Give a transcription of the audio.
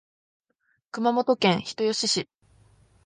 熊本県人吉市